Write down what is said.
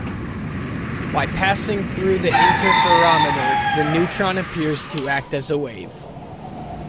By passing through the interferometer, the neutron appears to act as a wave.